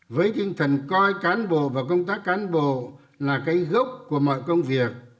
với tinh thần coi cán bộ và công tác cán bộ là cây gốc của mọi công việc